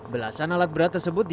belasan alat berat tersebut